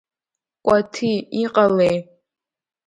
Кәаҭи иҟалеи?